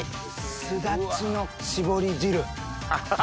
すだちの搾り汁。